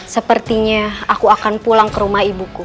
sepertinya aku akan pulang ke rumah ibuku